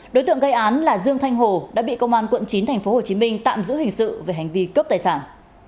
đối tượng gây án là dương thanh hồ đã bị công an quận chín tp hcm tạm giữ hình sự về hành vi cướp tài sản